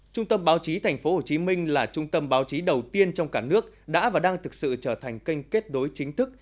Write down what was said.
trung tâm báo chí tp hcm là trung tâm báo chí đầu tiên trong cả nước đã và đang thực sự trở thành kênh kết đối chính thức